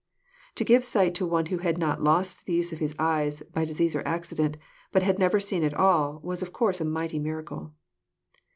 To give sight to one who had not lost the use of his eyes by dis ease or accident, but had never seen at all, was of course a mighty miracle.